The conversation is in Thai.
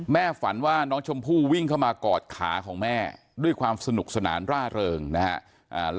ฝันว่าน้องชมพู่วิ่งเข้ามากอดขาของแม่ด้วยความสนุกสนานร่าเริงนะฮะ